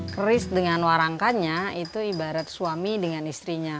keris dengan warangkannya itu ibarat suami dengan istrinya